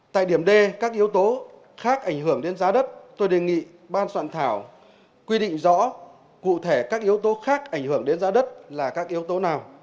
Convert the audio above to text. tại điểm d các yếu tố khác ảnh hưởng đến giá đất tôi đề nghị ban soạn thảo quy định rõ cụ thể các yếu tố khác ảnh hưởng đến giá đất là các yếu tố nào